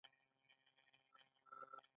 غیرت د پښتانه ځانګړنه ده